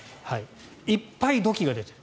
いっぱい土器が出てくる。